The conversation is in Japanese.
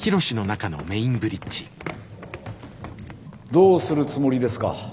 「どうするつもりですか？」。